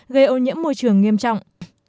gây ô nhiễm môi trường nghiêm trọng